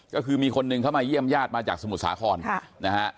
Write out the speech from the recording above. ก็คือมีคนหนึ่งเข้ามาเยี่ยมญาติมาจากสมุทรสาครนะฮะ